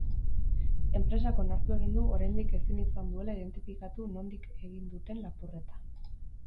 Enpresak onartu egin du oraindik ezin izan duela identifikatu nondik egin duten lapurreta.